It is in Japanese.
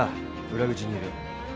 裏口にいる